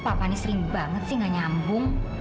papa ini sering banget sih nggak nyambung